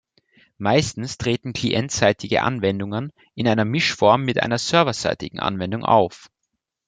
Meistens treten clientseitige Anwendungen in einer Mischform mit einer serverseitigen Anwendung auf.